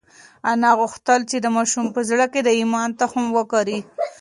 انا غوښتل چې د ماشوم په زړه کې د ایمان تخم وکري.